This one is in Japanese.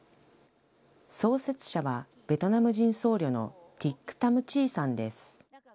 創設者は、ベトナム人僧侶のティック・タム・チーさんです。